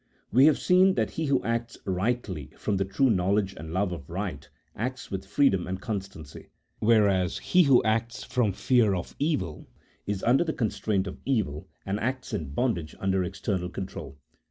We have seen that he who acts rightly from the true knowledge and love of right, acts with freedom and constancy, whereas he who acts from fear of evil, is under the constraint of evil, and acts in bondage under external control.